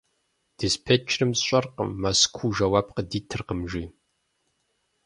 Диспетчерым: «СщӀэркъым, Мэзкуу жэуап къыдитыркъым», - жи.